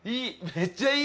めっちゃいい！